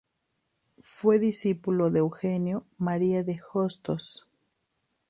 Fue discípulo de Eugenio María de Hostos.